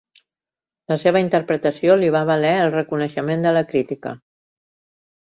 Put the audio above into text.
La seva interpretació li va valer el reconeixement de la crítica.